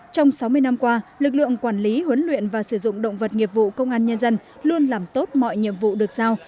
trong sáu mươi năm qua lực lượng quản lý huấn luyện và sử dụng động vật nghiệp vụ công an nhân dân luôn làm tốt mọi nhiệm vụ được giao